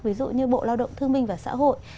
ví dụ như bộ lao động thương minh và xã hội